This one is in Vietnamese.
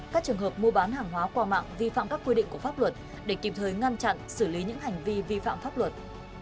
các trường hợp mua bán hàng hóa qua mạng vi phạm các quy định của pháp luật để kịp thời ngăn chặn xử lý những hành vi vi phạm pháp luật